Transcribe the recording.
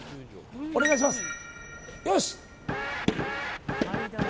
お願いします！